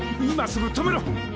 今すぐ止めろ！